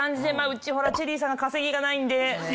うちチェリーさんが稼ぎがないんで。